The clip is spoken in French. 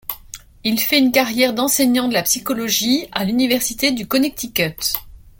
Il fait une carrière d'enseignant de la psychologie à l'université du Connecticut.